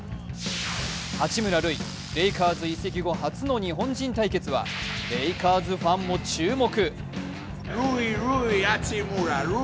八村塁、レイカーズ移籍後初の日本人対決はレイカーズファンも注目。